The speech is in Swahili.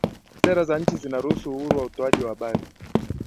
sera za nchi zinaruhusu uhuru wa utoaji wa habari